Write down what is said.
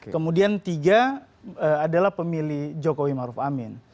kemudian tiga adalah pemilih jokowi maruf amin